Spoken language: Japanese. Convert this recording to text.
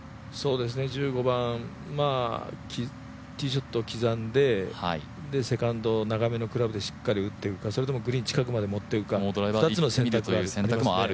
１５番、ティーショットを刻んでセカンドを長めのクラブでしっかり打っていくか、それともグリーン近くまで持っていくか、２つの選択。